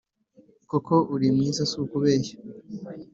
koko uri mwiza si ukubeshya